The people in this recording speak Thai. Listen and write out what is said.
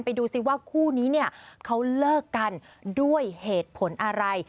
ดูสิว่าคู่นี้เนี่ยเขาเลิกกันด้วยเหตุผลอะไร